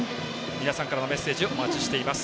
皆さんからのメッセージお待ちしています。